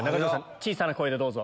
小さな声でどうぞ。